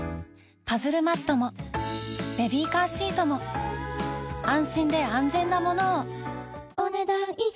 パズルマットもベビーカーシートも安心で安全なものをお、ねだん以上。